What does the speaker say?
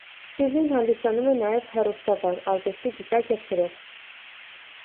Շիրլին հանդիսանում է նաև հեռուստավար, արվեստի գիտակ և գրող։